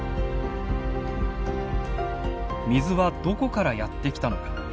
水はどこからやって来たのか。